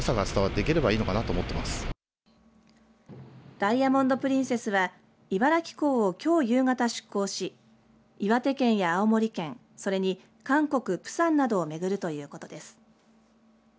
ダイヤモンド・プリンセスは茨城港をきょう夕方出港し岩手県や青森県それに韓国、プサンなどを巡るということです。